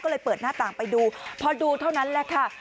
ก็เลยเปิดหน้าต่างไปดูพอดูเท่านั้นแหละค่ะ